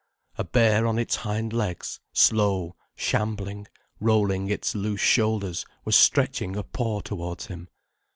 A bear on its hind legs, slow, shambling, rolling its loose shoulders, was stretching a paw towards him.